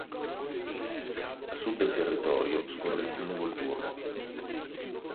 A sud del territorio scorre il fiume Volturno.